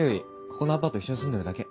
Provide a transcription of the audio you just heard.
ここのアパート一緒に住んでるだけ。